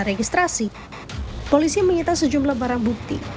registrasi polisi menyita sejumlah barang bukti